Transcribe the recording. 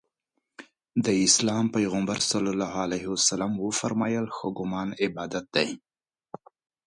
د اسلام پیغمبر ص وفرمایل ښه ګمان عبادت دی.